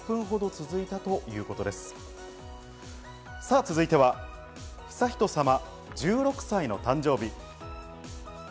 続いては悠仁さま、１６歳の誕生日。